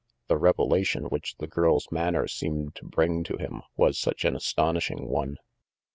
The revelation which the girl's manner seemed to bring to him was such an astonishing one.